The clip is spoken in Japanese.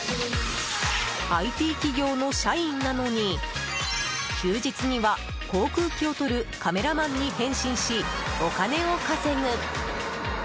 ＩＴ企業の社員なのに休日には航空機を撮るカメラマンに変身しお金を稼ぐ。